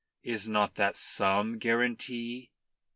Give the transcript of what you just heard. Is not that some guarantee?"